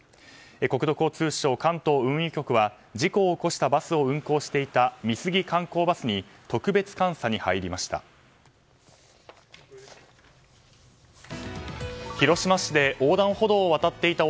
国土交通省、関東運輸局は事故を起こしたバスを運行していた美杉観光に特別監査に入りました。